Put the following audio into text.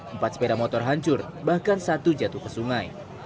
empat sepeda motor hancur bahkan satu jatuh ke sungai